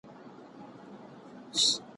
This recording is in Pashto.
له کلونو له عمرونو یې روزلی